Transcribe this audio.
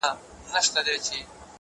له عالمه له کتابه یې نفرت سي `